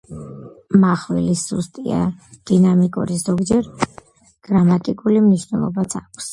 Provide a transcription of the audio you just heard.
მახვილი სუსტია, დინამიკური, ზოგჯერ გრამატიკული მნიშვნელობაც აქვს.